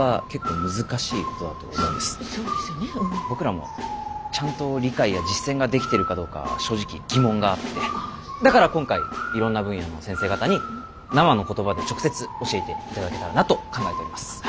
僕らもちゃんと理解や実践ができてるかどうか正直疑問があってだから今回いろんな分野の先生方に生の言葉で直接教えていただけたらなと考えております